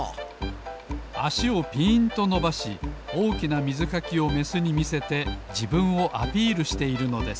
あしをぴーんとのばしおおきなみずかきをメスにみせてじぶんをアピールしているのです。